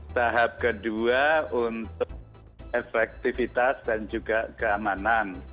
tahap kedua untuk efektivitas dan juga keamanan